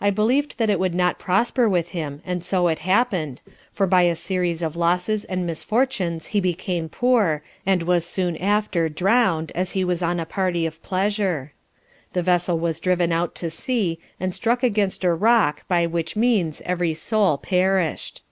I believed that it would not prosper with him, and so it happen'd, for by a series of losses and misfortunes he became poor, and was soon after drowned, as he was on a party of pleasure. The vessel was driven out to sea, and struck against a rock by which means every soul perished.